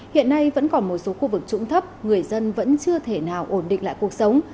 hiện nay vẫn còn một số khu vực trũng thấp người dân vẫn chưa thể nào ổn định lại cuộc sống